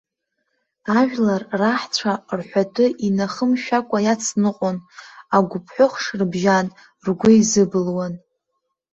Ажәлар раҳцәа рҳәатәы инахымшәакәа иацныҟәон, агәыҳәԥыхш рыбжьан, ргәеизыбылуан.